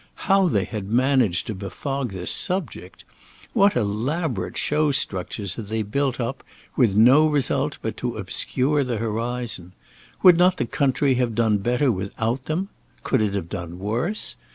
How they had managed to befog the subject! What elaborate show structures they had built up, with no result but to obscure the horizon! Would not the country have done better without them? Could it have done worse?